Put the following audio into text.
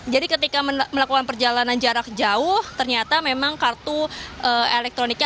ketika melakukan perjalanan jarak jauh ternyata memang kartu elektroniknya